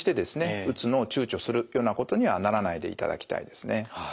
打つのを躊躇するようなことにはならないでいただきたいですね。